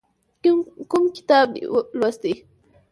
کوم کتاب دې یې لوستی؟